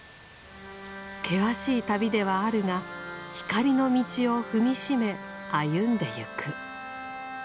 険しい旅ではあるが光の道を踏み締め歩んでいく。